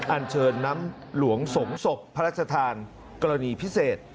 อันเชิญน้ำหลวงสงศพพระราชทานกรณีพิเศษ